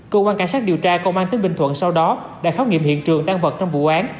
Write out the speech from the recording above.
cơ quan cảnh sát điều tra công an tỉnh bình thuận sau đó đã khám nghiệm hiện trường tan vật trong vụ án